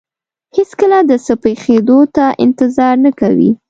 هېڅکله د څه پېښېدو ته انتظار نه کوي.